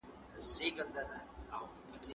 هغوی فساد ته مخه کړې ده.